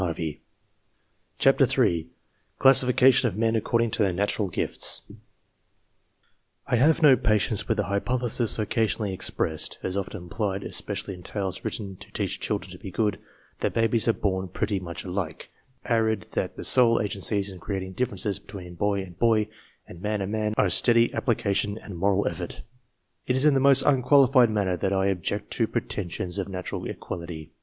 12 CLASSIFICATION OF MEN CLASSIFICATION OF MEN ACCOKDING TO THEIE NATUEAL GIFTS HAVE no patience with the hypothesis occasionally ex pressed, and often implied, especially in tales written to teach children to be good, that babies are born pretty much alike, and that the sole agencies in creating dif ferences between boy and boy, and man and man, are steady application and moral effort. It is in the most unqualified manner that I object to pretensions of natural equality.